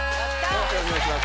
よろしくお願いします。